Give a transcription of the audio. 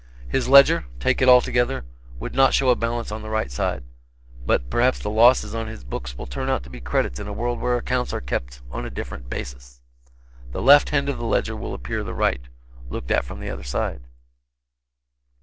His ledger, take it altogether, would not show a balance on the right side; but perhaps the losses on his books will turn out to be credits in a world where accounts are kept on a different basis. The left hand of the ledger will appear the right, looked at from the other side.